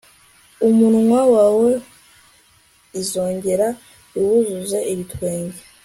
umunwa wawe izongera iwuzuze ibitwenge